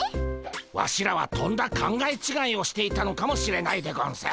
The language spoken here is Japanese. ワシらはとんだ考え違いをしていたのかもしれないでゴンス。